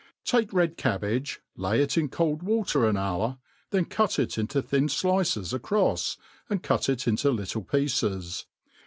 , TAKE a red cabbage, lay it in cold water an hour, then cut it into thin ilices ack ofs, and cut it into little pieces.